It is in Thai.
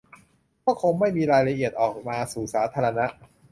ก็คงไม่มีรายละเอียดออกมาสู่สาธารณะ